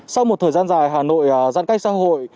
sau một thời gian dài hà nội giãn cách xã hội